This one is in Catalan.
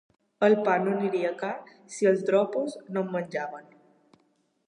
El pa no aniria car si els dropos no en menjaven.